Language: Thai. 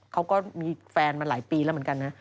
เขาก็มีแฟนมาหลายปีแล้วเหมือนกันนะ